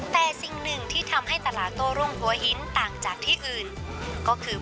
แต่สิ่งหนึ่งที่ทำให้ตลาดโต้รุ่งหัวหินต่างจากที่อื่นก็คือ